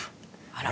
「あら」